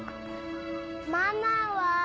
ママは？